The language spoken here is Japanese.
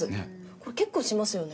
これ結構しますよね？